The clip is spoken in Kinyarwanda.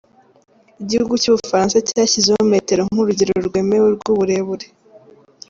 Igihugu cy’u Bufaransa cyashyizeho Metero nk’urugero rwemewe rw’uburebure.